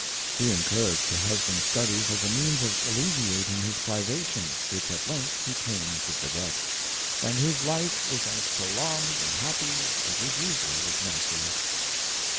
She encouraged her husband's studies as a means of alleviating his privation, which at length he came to forget; and his life was as prolonged and happy as is usual with naturalists.